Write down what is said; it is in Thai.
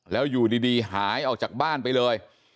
แล้วอยู่ดีหายออกจากบ้านไปเลย